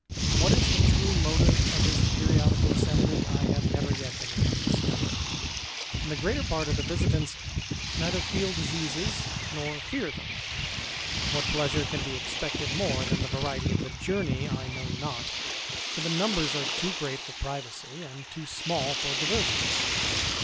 What is the true motive of this periodical assembly, I have never yet been able to discover. The greater part of the visitants neither feci THE IDLER. 343 diseases nor fear them. What pleasure can be expected more than the variety of the journey, I know not ; for the numbers are too great for privacy, and too small for diversion.